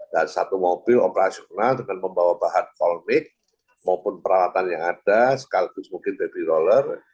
dan satu mobil operasional dengan membawa bahan kolmik maupun peralatan yang ada sekaligus mungkin baby roller